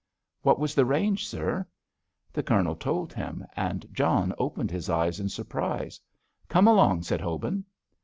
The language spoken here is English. "What was the range, sir?" The Colonel told him, and John opened his eyes in surprise. "Come along," said Hobin.